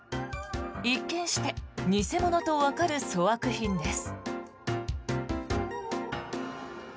一見して偽物とわかる粗悪品です。